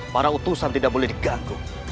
para utusan tidak boleh diganggu